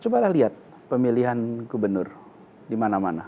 cobalah lihat pemilihan gubernur di mana mana